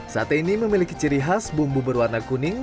sate ini memiliki ciri khas bumbu berwarna kuning